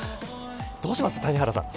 どうします、谷原さん。